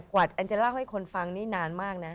วันแอนจะเล่าให้คนฟังนี่นานมากนะ